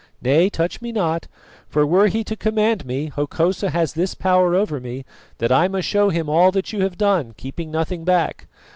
Nay, touch me not, for were he to command me, Hokosa has this power over me that I must show him all that you have done, keeping nothing back.